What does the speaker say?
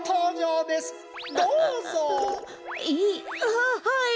ははい！